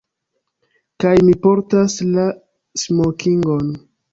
Kaj mi portas la smokingon.